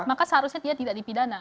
maka seharusnya dia tidak dipidana